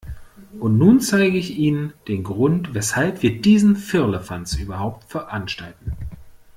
Und nun zeige ich Ihnen den Grund, weshalb wir diesen Firlefanz überhaupt veranstalten.